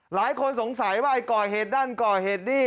หลายคนสงสัยว่าไอ้ก่อยเห็นด้านก่อเห็นนี่